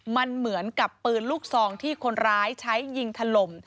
มันเหมือนกับปืนลูกซองที่คนร้ายใช้ยิงถล่ม